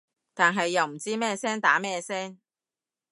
但係又唔知咩聲打咩聲